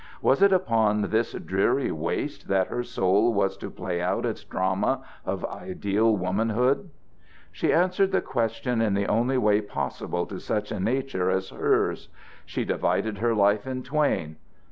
Was it upon this dreary waste that her soul was to play out its drama of ideal womanhood? She answered the question in the only way possible to such a nature as hers. She divided her life in twain.